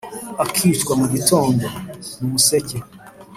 akicwa mugitondo! mu museke